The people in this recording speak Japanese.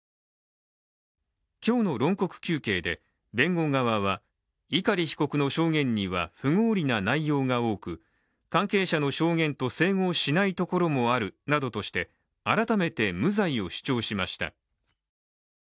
今日の論告求刑で弁護側は碇被告の証言には不合理な内容が多く関係者の証言と整合しないところもあるなどとして改めて無罪を主張しました。